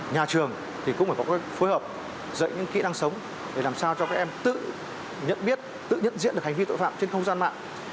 nhà trường cũng phải có phối hợp dạy những kỹ năng sống để làm sao cho các em tự nhận biết tự nhận diễn được hành vi tội phạm trên không gian mạng